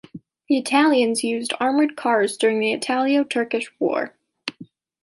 The Italians used armored cars during the Italo-Turkish War.